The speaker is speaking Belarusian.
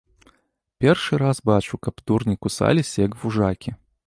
Першы раз бачу, каб дурні кусаліся, як вужакі.